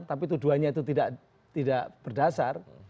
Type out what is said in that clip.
tapi tuduhannya itu tidak berdasar